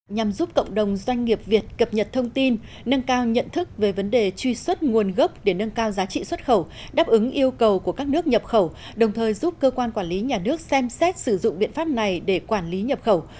nhằm giúp cộng đồng doanh nghiệp việt cập nhật thông tin nâng cao nhận thức về vấn đề truy xuất nguồn gốc để nâng cao giá trị xuất khẩu đáp ứng yêu cầu của các nước nhập khẩu đồng thời giúp cơ quan quản lý nhà nước xem xét sử dụng biện pháp này để quản lý nhập khẩu